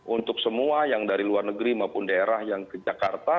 untuk semua yang dari luar negeri maupun daerah yang ke jakarta